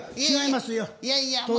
いやいや。